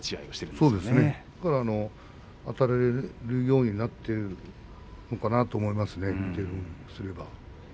だからあたれるようになっているのかなと思いますね。